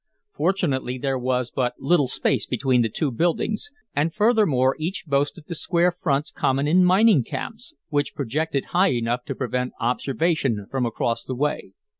Fortunately, there was but little space between the two buildings, and, furthermore, each boasted the square fronts common in mining camps, which projected high enough to prevent observation from across the way.